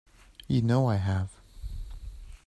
You know I have.